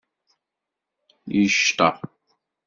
Yecṭeṛ.